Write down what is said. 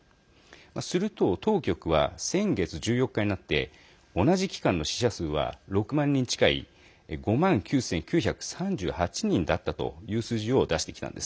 すると当局は先月１４日になって同じ期間の死者数は６万人近い５万９９３８人だったという数字を出してきたんです。